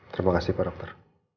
terima kasih pak dokter